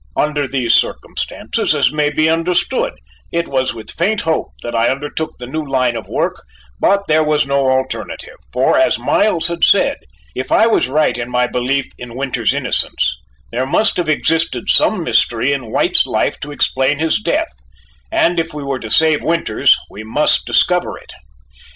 Under these circumstances, as may be understood, it was with faint hope that I undertook the new line of work; but there was no alternative, for, as Miles had said, if I was right in my belief in Winters's innocence, there must have existed some mystery in White's life to explain his death, and if we were to save Winters, we must discover it.